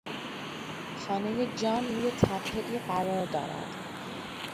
خانهی جان روی تپهای قرار دارد.